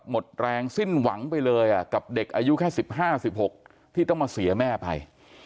หมดแรงสิ้นหวังไปเลยกับเด็กอายุแค่๑๕๑๖ที่ต้องมาเสียแม่ไป